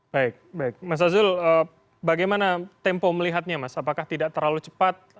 baik baik mas azul bagaimana tempo melihatnya mas apakah tidak terlalu cepat